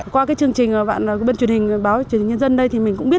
qua cái chương trình bạn bên truyền hình báo truyền hình nhân dân đây thì mình cũng biết